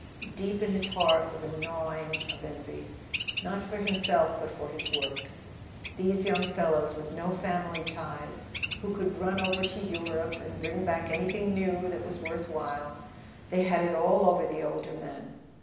Deep in his heart was a gnawing of envy not for himself, but for his work. These young fellows with no family ties, who could run over to Europe and bring back anything new that was worth while, they had it all over the older men.